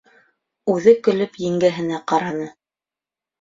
Үҙе көлөп еңгәһенә ҡараны: